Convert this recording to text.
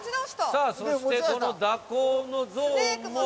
さあそしてこの蛇行のゾーンも。